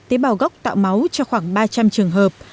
tế bào gốc tạo máu cho khoảng ba trăm linh trường hợp